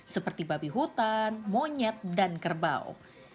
seperti babi hutan monyet dan kerbau